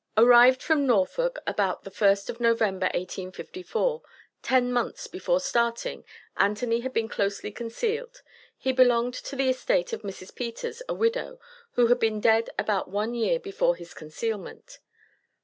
Arrived from Norfolk, about the 1st of November, 1854. Ten months before starting, Anthony had been closely concealed. He belonged to the estate of Mrs. Peters, a widow, who had been dead about one year before his concealment.